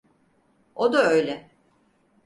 O da öyle.